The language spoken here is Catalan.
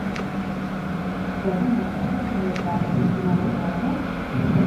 Hi ha algun negoci al carrer Boada cantonada Boada?